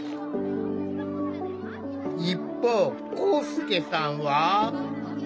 一方光祐さんは？